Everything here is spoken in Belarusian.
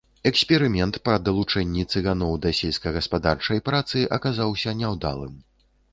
Эксперымент па далучэнні цыганоў да сельскагаспадарчай працы аказаўся няўдалым.